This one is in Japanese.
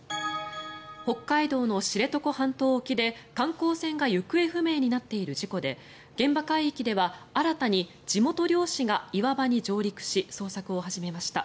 北海道の知床半島沖で、観光船が行方不明になっている事故で現場海域では新たに地元漁師が岩場に上陸し捜索を始めました。